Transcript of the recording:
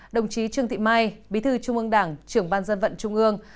đồng chí trương thị mai bí thư trung ương đảng trưởng ban dân vận trung ương